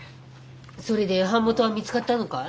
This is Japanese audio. それで版元は見つかったのかい？